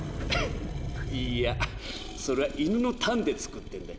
いいやそれは犬のタンで作ってるんだ。